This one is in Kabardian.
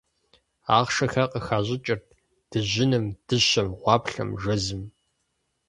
Ахъшэхэр къыхащӏыкӏырт дыжьыным, дыщэм, гъуаплъэм, жэзым.